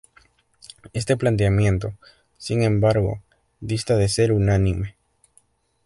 Este planteamiento, sin embargo, dista de ser unánime.